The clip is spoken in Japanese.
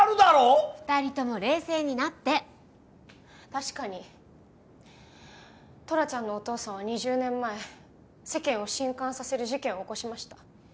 確かにトラちゃんのお父さんは２０年前世間を震撼させる事件を起こしました。